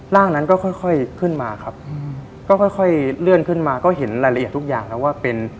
ร่างนั้นก็ค่อยขึ้นมาครับก็ค่อยเลื่อนขึ้นมาก็เห็นรายละเอียดทุกอย่างแล้วว่าเป็น